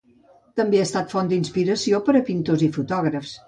També han estat font d'inspiració per a pintors i fotògrafs.